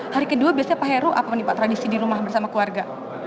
hari kedua biasanya pak heru apa nih pak tradisi di rumah bersama keluarga